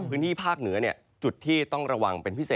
พื้นที่ภาคเหนือจุดที่ต้องระวังเป็นพิเศษ